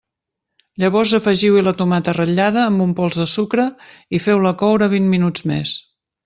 Llavors afegiu-hi la tomata ratllada amb un pols de sucre i feu-la coure vint minuts més.